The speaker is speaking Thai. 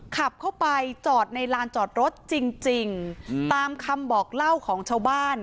ขับเข้าไปจอดในลานจอดรถจริงจริงตามคำบอกเล่าของชาวบ้าน